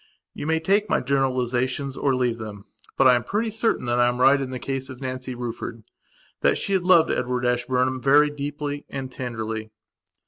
You may take my generalizations or leave them. But I am pretty certain that I am right in the case of Nancy Ruffordthat she had loved Edward Ashburnham very deeply and tenderly.